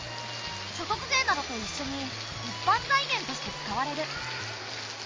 所得税などといっしょに一般財源として使われる。